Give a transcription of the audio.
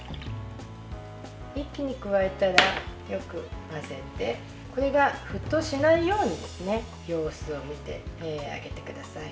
一気に加えたら、よく混ぜてこれが沸騰しないように様子を見てあげてください。